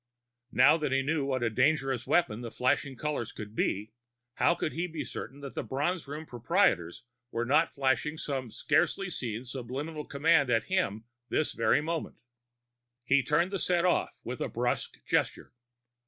Now that he knew what a dangerous weapon the flashing colors could be, how could he be certain that the Bronze Room proprietors were not flashing some scarcely seen subliminal command at him this very moment? He turned the set off with a brusque gesture.